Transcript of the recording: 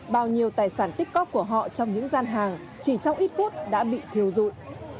bao nhiêu tài sản tích cóc của họ trong những gian hàng chỉ trong ít phút đã bị thiêu dụi